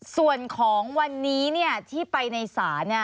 ส่วนของวันนี้ที่ไปในศาล